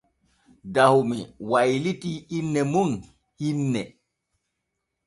Dahome waylitii inne mum hinne.